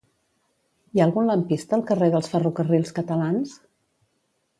Hi ha algun lampista al carrer dels Ferrocarrils Catalans?